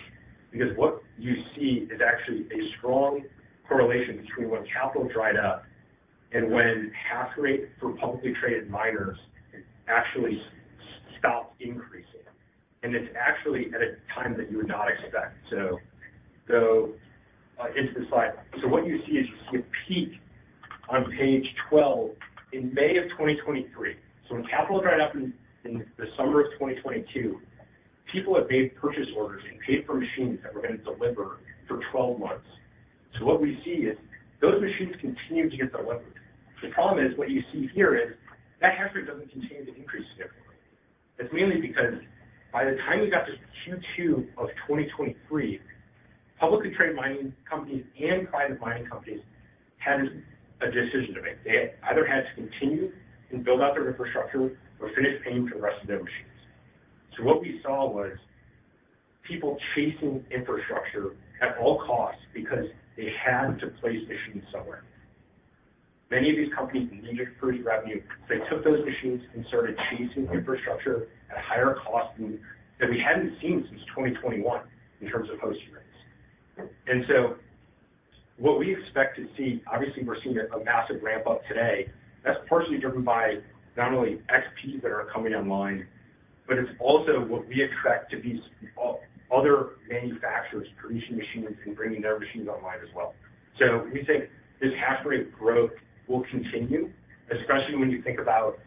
because what you see is actually a strong correlation between when capital dried up and when hash rate for publicly traded miners actually stopped increasing. And it's actually at a time that you would not expect. So into the slide. So what you see is you see a peak on page 12 in May 2023. So when capital dried up in, in the summer of 2022, people had made purchase orders and paid for machines that were going to deliver for 12 months. So what we see is those machines continue to get delivered. The problem is, what you see here is, that hash rate doesn't continue to increase significantly. It's mainly because by the time you got to Q2 of 2023, publicly traded mining companies and private mining companies had a decision to make. They either had to continue and build out their infrastructure or finish paying for the rest of their machines. So what we saw was people chasing infrastructure at all costs because they had to place machines somewhere. Many of these companies needed to prove revenue, so they took those machines and started chasing infrastructure at a higher cost than that we hadn't seen since 2021 in terms of hosting rates. What we expect to see, obviously, we're seeing a massive ramp up today. That's partially driven by not only XPs that are coming online, but it's also what we attract to these other manufacturers producing machines and bringing their machines online as well. So we think this hash rate growth will continue, especially when you think about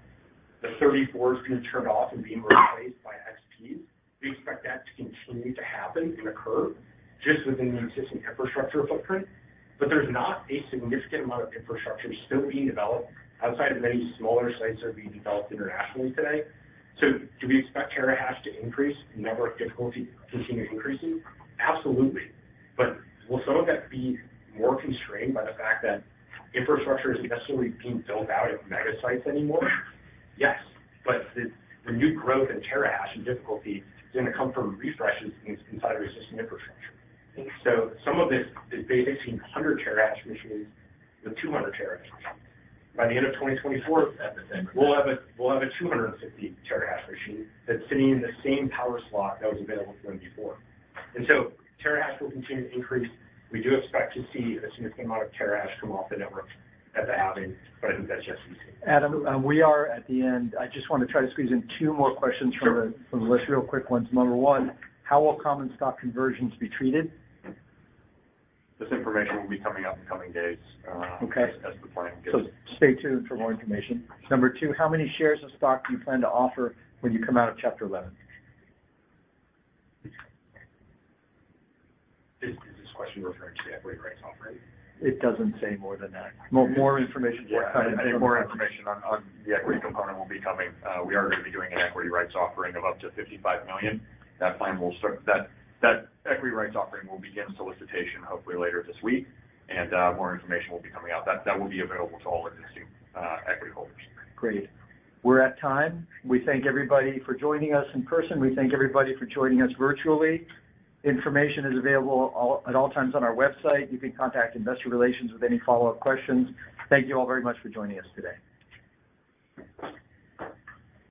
the 34s going to turn off and being replaced by XPs. We expect that to continue to happen and occur just within the existing infrastructure footprint. But there's not a significant amount of infrastructure still being developed outside of many smaller sites that are being developed internationally today. So do we expect terahash to increase, network difficulty to continue increasing? Absolutely. But will some of that be more constrained by the fact that infrastructure isn't necessarily being built out at mega sites anymore? Yes, but the new growth in terahash and difficulty is going to come from refreshes inside existing infrastructure. And so some of this, this basically 100-terahash machines with 200-terahash machines. By the end of 2024, we'll have a 250-terahash machine that's sitting in the same power slot that was available to them before. And so terahash will continue to increase. We do expect to see a significant amount of terahash come off the network as having, but I think that's just easy. Adam, we are at the end. I just want to try to squeeze in 2 more questions from the- Sure. From the list, real quick ones. Number one, how will common stock conversions be treated? This information will be coming out in the coming days. Okay. As the plan gets- Stay tuned for more information. Number 2, how many shares of stock do you plan to offer when you come out of Chapter 11? Is this question referring to the equity rights offering? It doesn't say more than that. More, more information. Yeah, I think more information on the equity component will be coming. We are going to be doing an equity rights offering of up to $55 million. That equity rights offering will begin solicitation hopefully later this week, and more information will be coming out. That will be available to all existing equity holders. Great. We're at time. We thank everybody for joining us in person. We thank everybody for joining us virtually. Information is available at all times on our website. You can contact investor relations with any follow-up questions. Thank you all very much for joining us today.